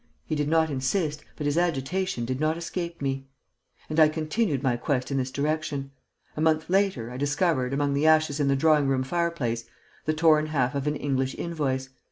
He did not insist, but his agitation did not escape me; and I continued my quest in this direction. A month later, I discovered, among the ashes in the drawing room fireplace, the torn half of an English invoice.